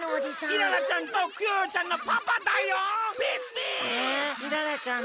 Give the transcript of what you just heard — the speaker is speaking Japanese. イララちゃんとクヨヨちゃんのパパだよん。